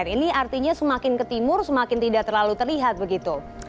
ini artinya semakin ke timur semakin tidak terlalu terlihat begitu